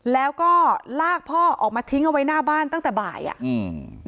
แล้วก็ลากพ่อออกมาทิ้งเอาไว้หน้าบ้านตั้งแต่บ่ายอ่ะอืม